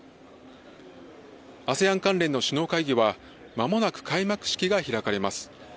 ＡＳＥＡＮ関連の首脳会議は間もなく開幕式が開かれます。